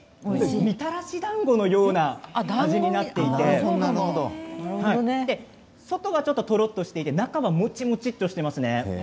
みたらしだんごのような味になっていて外はとろっとしていて中はむちむちっとしています。